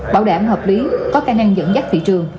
bảo đảm hợp lý có khả năng dẫn dắt thị trường